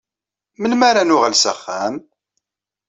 Melmi ara nuɣal s axxam?